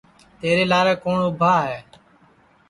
تیرے لارے کُوٹؔ اُبھا ہے